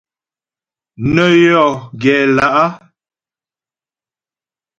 Nə́ yɔ gɛ lá'.